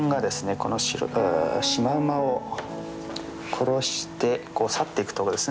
このシマウマを殺して去っていくとこですね